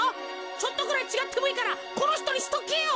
ちょっとぐらいちがってもいいからこのひとにしとけよ。